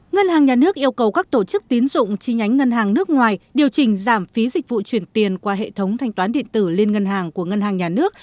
ngân hàng nhà nước yêu cầu các tổ chức tín dụng chi nhánh ngân hàng nước ngoài điều chỉnh giảm phí dịch vụ chuyển tiền qua hệ thống thanh toán điện tử lên ngân hàng của ngân hàng nhà nước